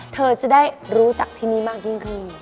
เธอจะได้รู้จักที่นี่มากยิ่งขึ้น